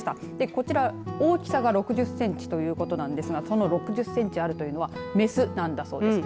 こちら、大きさが６０センチということなんですがその６０センチあるというのはメスなんだそうです。